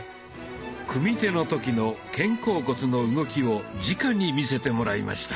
組み手の時の肩甲骨の動きをじかに見せてもらいました。